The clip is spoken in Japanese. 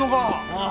ああ。